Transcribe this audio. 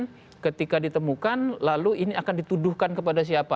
kemudian ketika ditemukan lalu ini akan dituduhkan kepada siapa